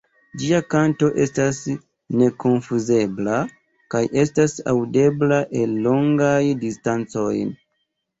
Ĝia kanto estas nekonfuzebla kaj estas aŭdebla el longaj distancoj.